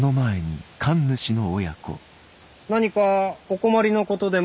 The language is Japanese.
何かお困りの事でも？